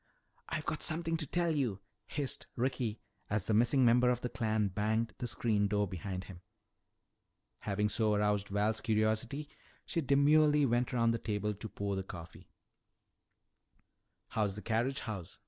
"I've got something to tell you," hissed Ricky as the missing member of the clan banged the screen door behind him. Having so aroused Val's curiosity, she demurely went around the table to pour the coffee. "How's the carriage house?"